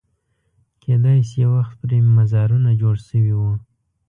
کېدای شي یو وخت پرې مزارونه جوړ شوي وو.